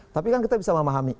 tapi kan kita bisa memahami